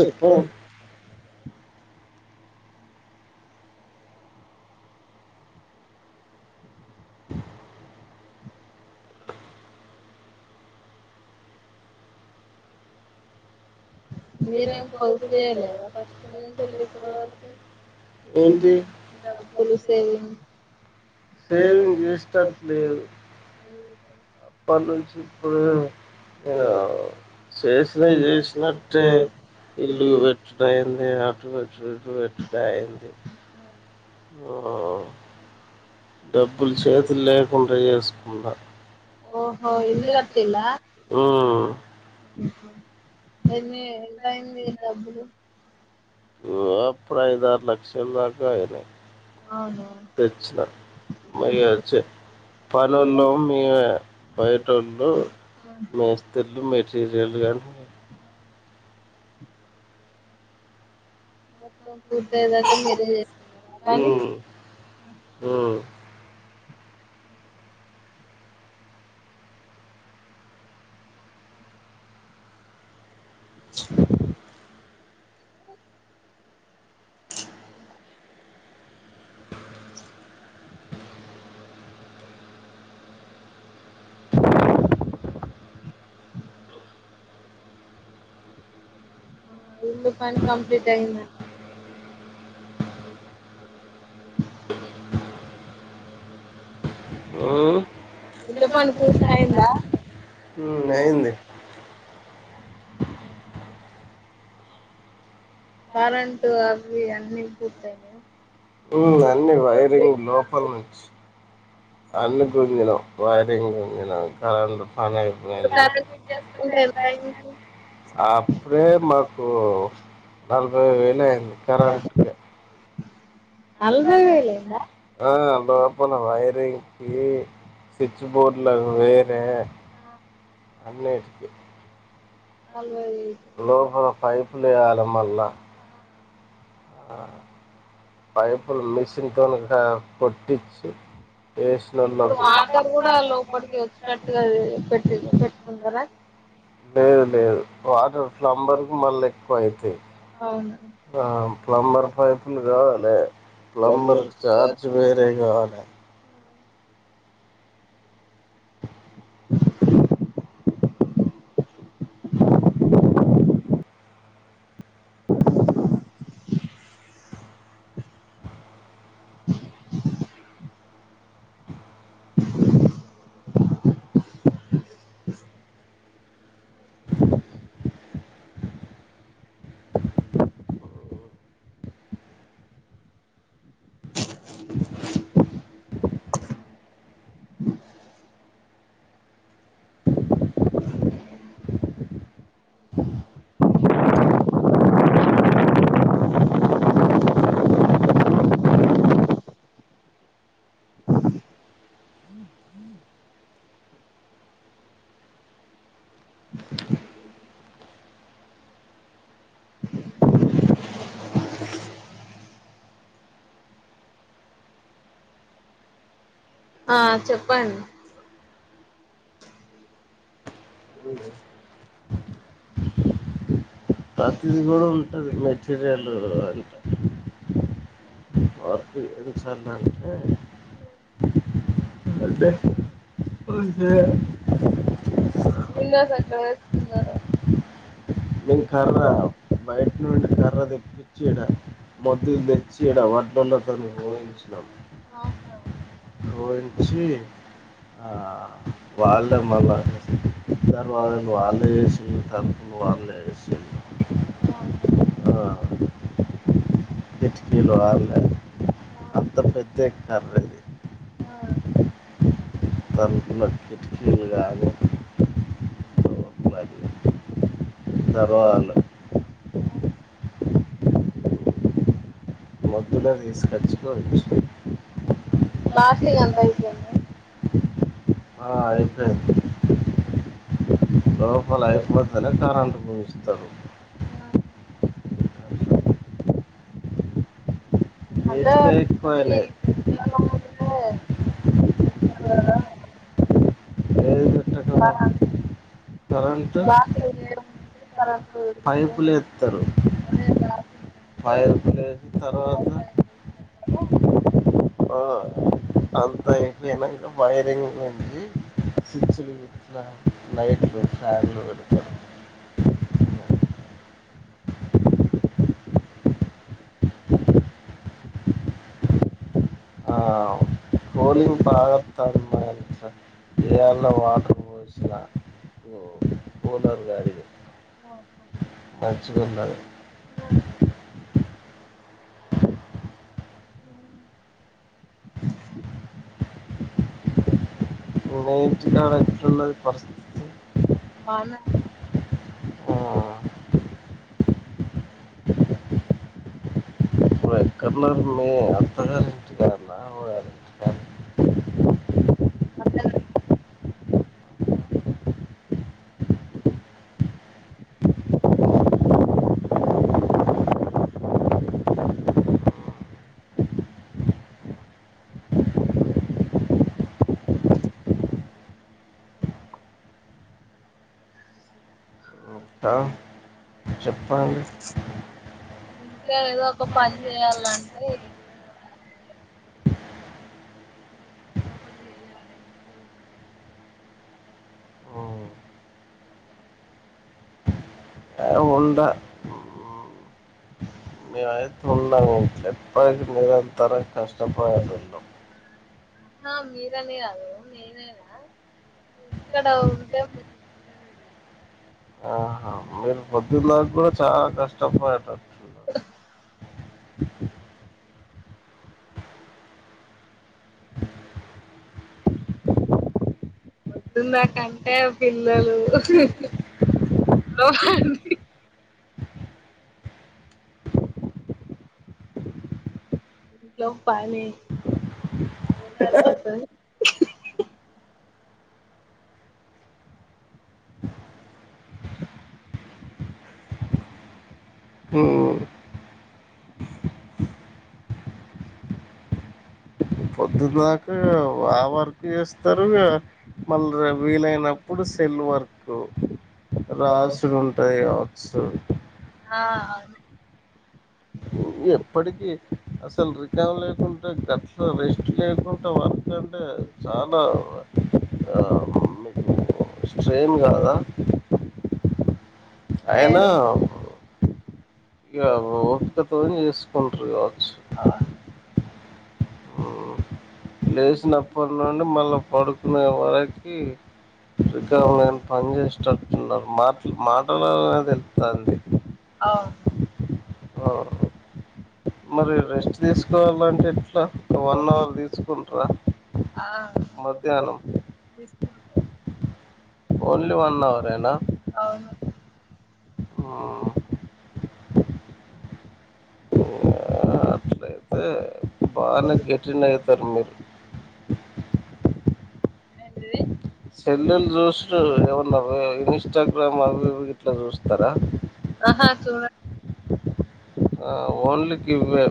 చెప్పు మీరేం కౌసు చేయలేదా ఏంటి [inaudible] పిలు సేవింగ్ సేవింగ్ చేసేటట్టు లేదు అప్పటి నుంచి ఇప్పుడు ఆ చేసినా చేసినట్టే ఇల్లు గట్టుడు అయ్యింది [inaudible] అయ్యింది డబ్బులు చేతుల్లో లేకుండా చేసుకున్నా ఓహో ఇల్లు కట్టిల్లా ఉమ్. ఎన్ని ఎంతయ్యింది డబ్బులు ఊ అప్పుడు ఐదారు లక్షల దాకా అయినాయి ఔను తెచ్చినా మరి వచ్చే పనోళ్ళం మేమే బయటోళ్ళు మేస్తిర్లు మెటీరియల్ గానీ మొత్తం పూర్తయ్యేదాకా మీరే [inaudible] పని ఉమ్. హ్మ్. ఆ ఇల్లు పని కంప్లీట్ అయింద హ్మ్. ఇల్లు పని పూర్తయిందా హ్మ్. అయింది. కరెంట్ అవి అన్ని పూర్తయినాయా హ్మ్. అన్ని వైరింగ్ లోపల నుంచి అన్ని గుంజినం వైరింగ్ గుంజినం కరెంటు ఇప్పుడు పనయిపోయింది కరెంట్ ఎంత అయింది అప్పుడే మాకు నలభై వేలయింది కరెంట్కే నలవై వేలయిందా ఆ లోపల వైరింగ్కి స్విచ్ బోర్డ్లో అవి వేరే అన్నిటికి నల్ లోపల పైపు లేయాల మల్ల పైపులు మిషన్తోను కా కొట్టిచ్చి ఇప్పుడు ఎస్నోళ్లకు వాటర్ కూడా లోపలికి వచ్చేటట్టుగా పెట్టి పెట్టుకున్నారా లేదు లేదు వాటర్ ఫ్లంబర్ కు మల్లెక్కువయితయి. అవును ఆ ప్లంబర్ పైపులు కావాలె ప్లంబర్ చార్జ్ వేరే కావాలె ఆ చెప్పండి ప్రతిది కూడా ఉంటుంది మెటీరియల్ అంటే ఆకు ఎన్నిసార్లంటే అంటే అంతే మిన్నస్ అక్కడ వస్తున్నారు ఉ సర్రా బయట నున్ కర్ర తెప్పించే మొద్దులు తెచ్చేడ వడ్డలతో కోయించినాము ఆహ లోంచి ఆ వాళ్ళే మళ్ళ ఇద్దరు వాళ్ళని వాళ్ళే చేసి తరపులు వాళ్ళేసి అవునా ఆ, కిటికీలు వాళ్ళే ఆ అంత ప్రత్యేకత అది ఆ ఆ తలుపులు గాని కిటికీలు గాని తర్వాత మొత్తలో తీసుకొచ్చుకోవచ్చు లాస్ట్ ఇంగ అంతా అయిపోయిందా ఆ అయిపోయింది లోపల అయిపోతనే కార అంటు ఇస్తారు నీటిగా ఎక్కువైనాయి అదో [unintelligible] ఆ అది ఏది ఆ పెట్టకము బ కరెంటు [unintelligible] పైపులు అ ఫైర్ పసి తర్వాత హలో ఆ అంతా అయిపోనాక వైరింగ్ ఉంది సిచ్లు లైట్ ఆ కోలి పాతరంతా ఏళ వాటర్ పోసినా కూలర్ గాడికి ఆహా. వరిచ్చకుందాల ఆ, అ మీ ఇంటి కాడ ఎట్టున్నది కొస్తు బాంది ఆ కలర్ని అంతకరించగా నామరించు కా అంతేలే దా చెప్పాలి ఇంకా ఏదో ఒక పని చేయాలంటే ఉండా తున్నా ఎప్పయికి నిరంతరం కష్టపడుతున్నాం ఆ మీరని కాదు నేనైనా ఇక్కడ ఉంటే ఆహా మీరు వద్దుల్లా కూడా చాలా కష్టపయేటస్తున్నా వద్దు నాకంటే పిల్లలు బ లో పాని [unintelligible] హ పొద్దుదాకా ఆ వర్క్ చేస్ తరు మళ్ళ వీలైనప్పుడు సెల్ వర్క్ రాసులు ఉంటాయి కావచ్చు ఆ ఆమె ఎప్పటికీ అసలు రికామ్ లేకుంట గట్ల రెస్ట్ లేకుంట వర్క్ అంటే చాలా మీకు స్ట్రైన్ కాదా అయినా లేదు ఇగ ఒపిక తోని చేసుకుంటరు కావచ్చు ఉమ్, లేచినప్పటి నుండి మళ్ళా పడుకునే వరకి రికామ్ లేని పని చేసటట్టున్నారు మాట మాటలలనే తెలుతంది ఆవునండి ఓ మరి రెస్ట్ తీసుకోవాలంటే ఎట్లా వన్ అవర్ తీసుకుంటార ఆ మధ్యాహ్నం తీసుకుంటాను ఓన్లీ వన్ అవర్ ఏనా అవును ఊ గంతేన బాగనే గెటిన్ ఐతరు మీరు ఏంటిది సెలులు చూసుడు ఏమన్న ఇన్స్టాగ్రామ్ అవి ఇవి గిట్ల చూస్తరా ఆహా చూడ ఆ ఓన్లీ గివె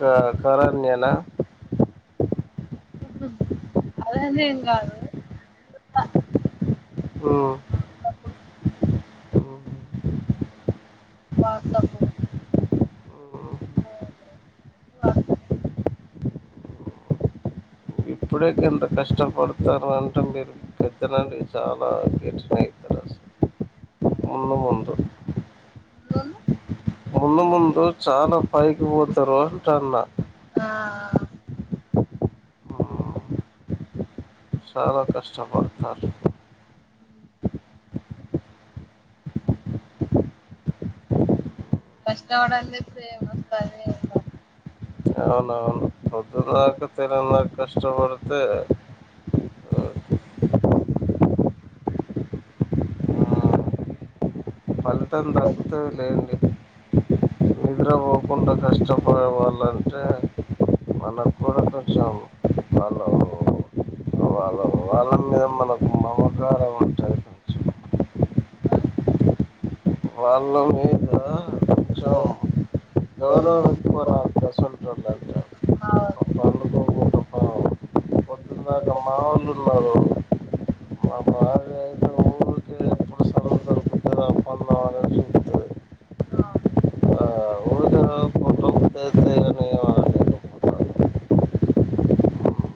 గా కరణ్య లా అదనేం కాదు చూత ఓ వాట్సాప్పు [unintelligible] అన్ని వాడతా ఇప్పుడే గింత కష్టపడతారు అంటే మీరు పెద్దనాటికి చాలా గెటినే ఐతరు ముందు ముందు ఎందుకంది ముందు ముందు చానా పైకి పోతారు అంటున్న ఆ అన్న చాలా కష్టపడుతారు ఊహు కష్టపడంది ఇపుడు ఏం వస్తది ఏం రాదు అవునవును పొద్దుందాకా తెలన్ దాక కష్టపడితే ఫలితం దక్కుతదిలేండి నిద్ర పోకుండా కష్టపడేవాలంటే మన కూడా కొంచం హలో వాళ వాళ్ళ మీద మనకు మమకారం ఉంటది కొంచం ఆ వాళ్ళ మీద కొంచం ఎవరో ఒకరు నాకు గసొంటోళ్ళు అంటే ఎంతియాలమ్మా ముందున్నారు ఊరికే యా ఎప్పుడు ఫలితం సమయం ఉంటది దొరికితే ఆ పనులు అవన్నీ చూస్తది. అవును ఆ ఊరికే రోజు పొద్దున్నే లేస్తే ఇగ నేను ఏమనలేకపోతాను.